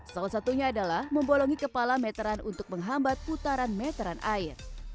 salah satunya adalah membolongi kepala meteran untuk menghambat putaran meteran air